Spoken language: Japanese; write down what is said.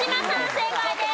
正解です。